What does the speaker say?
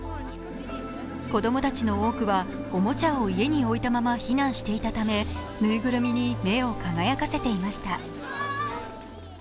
子供たちの多くはおもちゃを家に置いたまま避難していたためぬいぐるみに目を輝かせていました。